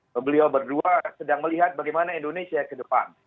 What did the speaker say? beliau berdua sedang melihat bagaimana indonesia ke depan